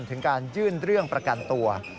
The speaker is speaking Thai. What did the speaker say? ถึงการยื่นเรื่องประกันตัว